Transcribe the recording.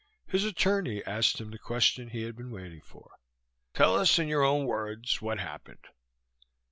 His attorney asked him the question he had been waiting for: "Tell us, in your own words, what happened."